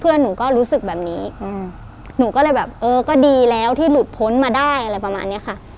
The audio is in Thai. หนูก็รู้สึกแบบนี้หนูก็เลยแบบเออก็ดีแล้วที่หลุดพ้นมาได้อะไรประมาณเนี้ยค่ะ